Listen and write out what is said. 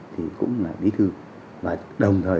thì cũng là bí thư và đồng thời